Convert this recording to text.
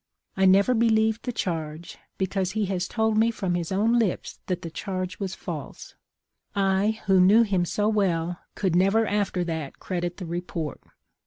I never believed the charge, because he has told me from his own lips that the charge was false. I, who knew him so well, could never after that credit the report.